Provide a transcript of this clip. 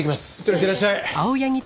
いってらっしゃい。